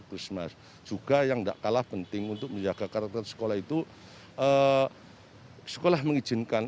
pusmas juga yang tidak kalah penting untuk menjaga karakter sekolah itu sekolah mengizinkan